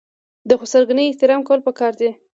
د خسرګنۍ احترام کول پکار دي.